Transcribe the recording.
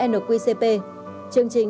nqcp chương trình